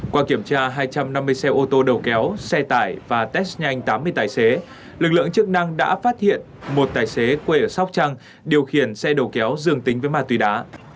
qua kiểm tra hai trăm năm mươi xe ô tô đầu kéo xe tải và test nhanh tám mươi tài xế lực lượng chức năng đã phát hiện một tài xế quê ở sóc trăng điều khiển xe đầu kéo dường tính với ma túy đá